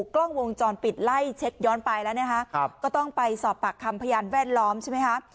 กล้องวงจรปิดไล่เช็คย้อนไปแล้วนะคะก็ต้องไปสอบปากคำพยานแวดล้อมใช่ไหมคะ